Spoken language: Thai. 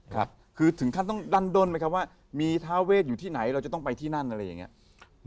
คือถึงขั้นต้องดั้นด้นไหมครับว่ามีทาเวทอยู่ที่ไหนเราจะต้องไปที่นั่นอะไรอย่างนี้